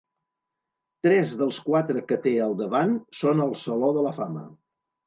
Tres dels quatre que té al davant són al Saló de la Fama.